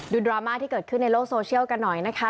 ดราม่าที่เกิดขึ้นในโลกโซเชียลกันหน่อยนะคะ